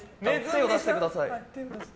手を出してください。